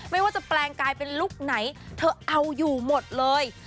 ไม่ว่าจะแปลงกลายเป็นลุคไหนเธอเอาอยู่หมดเลย